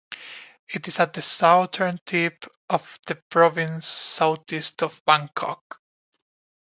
It is at the southern tip of the province southeast of Bangkok.